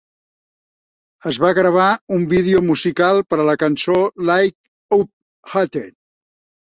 Es va gravar un vídeo musical per a la cançó "Light Up Ahead".